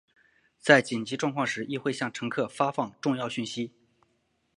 在紧急状况时亦会向乘客发放重要讯息。